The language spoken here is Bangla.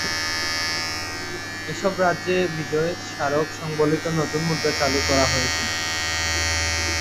এসব রাজ্যে বিজয় স্মারক সংবলিত নতুন মুদ্রা চালু করা হয়েছিল।